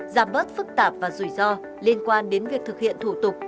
giảm bớt phức tạp và rủi ro liên quan đến việc thực hiện thủ tục